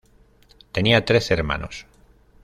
Tenía trece hermanos.